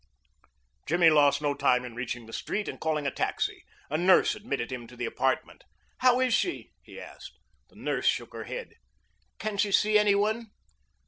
Jimmy lost no time in reaching the street and calling a taxi. A nurse admitted him to the apartment. "How is she?" he asked. The nurse shook her head. "Can she see any one?"